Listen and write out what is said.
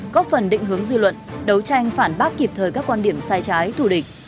có phần định hướng dư luận đấu tranh phản bác kịp thời các quan điểm sai trái thù địch